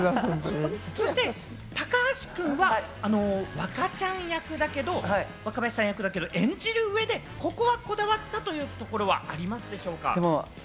そして高橋君は若ちゃん役だけど、若林さん役だけど、演じる上でここはこだわったというところはありますでしょうか？